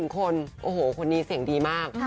๑คนโอ้โหคนนี้เสียงดีมาก